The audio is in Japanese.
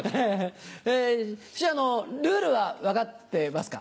え師匠ルールは分かってますか？